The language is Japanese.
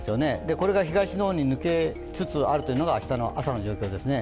これが東の方に抜けつつあるというのが明日の朝の状況ですね。